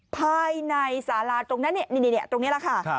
ภายในสาราตรงนั้นนี่ตรงนี้แหละค่ะ